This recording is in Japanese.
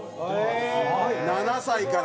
７歳から。